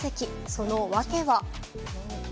その訳は？